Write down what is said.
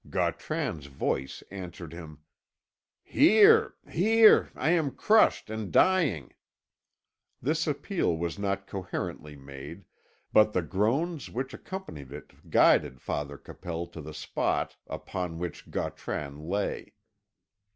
Gautran's voice answered him: "Here here! I am crushed and dying!" This appeal was not coherently made, but the groans which accompanied it guided Father Capel to the spot upon which Gautran lay.